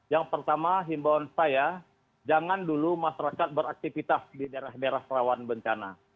yang pertama himbawan saya jangan dulu masyarakat beraktivitas di daerah daerah rawan bencana